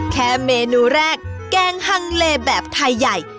แค่เมนูแรกแกงฮังเลแบบไทยใหญ่